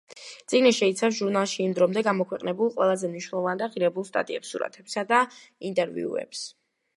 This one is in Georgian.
წიგნი შეიცავს ჟურნალში იმ დრომდე გამოქვეყნებულ ყველაზე მნიშვნელოვან და ღირებულ სტატიებს, სურათებსა და ინტერვიუებს.